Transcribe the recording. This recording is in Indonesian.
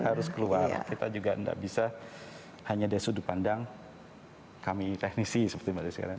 harus keluar kita juga tidak bisa hanya dari sudut pandang kami teknisi seperti mbak desi